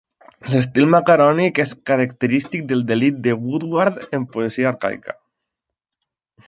L'estil macaronic és característic del delit de Woodward en poesia arcaica.